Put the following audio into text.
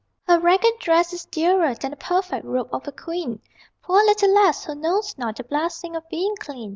Her ragged dress is dearer Than the perfect robe of a queen! Poor little lass, who knows not The blessing of being clean.